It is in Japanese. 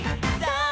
さあ